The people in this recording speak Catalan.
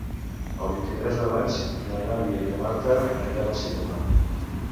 El vint-i-tres de maig na Nàdia i na Martina aniran al cinema.